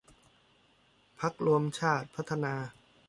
พรรครวมชาติพัฒนา